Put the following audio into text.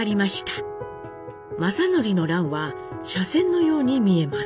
正徳の欄は斜線のように見えます。